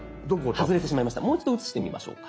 もう一度写してみましょうか。